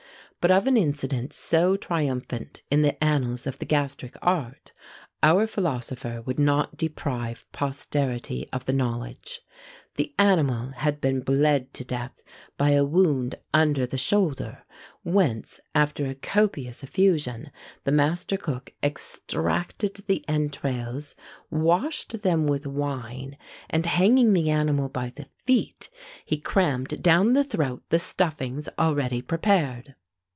But of an incident so triumphant in the annals of the gastric art, our philosopher would not deprive posterity of the knowledge. The animal had been bled to death by a wound under the shoulder, whence, after a copious effusion, the master cook extracted the entrails, washed them with wine, and hanging the animal by the feet, he crammed down the throat the stuffings already prepared.